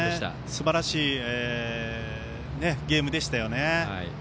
すばらしいゲームでしたよね。